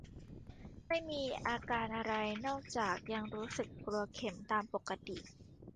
ไม่มีอาการอะไร นอกจากยังรู้สึกกลัวเข็มตามปกติ